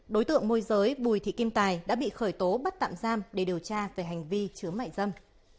đối tượng môi giới bùi thị kim tài đã bị khởi tố bắt tạm giam để điều tra về hành vi chứa mại dâm